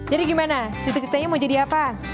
jadi gimana cita citanya mau jadi apa